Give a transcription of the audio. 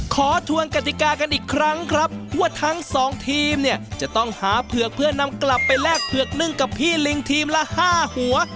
ทวงกติกากันอีกครั้งครับว่าทั้งสองทีมเนี่ยจะต้องหาเผือกเพื่อนำกลับไปแลกเผือกนึ่งกับพี่ลิงทีมละ๕หัว